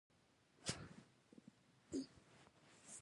د واک وېشلو لپاره د ګوندونو ترمنځ ترسره کېږي.